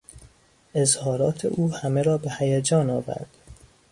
اظهارات او همه را به هیجان آورد.